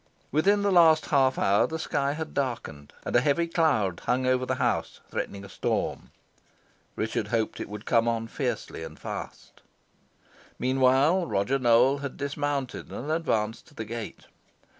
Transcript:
Within the last half hour the sky had darkened, and a heavy cloud hung over the house, threatening a storm. Richard hoped it would come on fiercely and fast. Meanwhile, Roger Newell had dismounted and advanced to the gate.